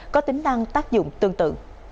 có tính năng tác dụng tương tự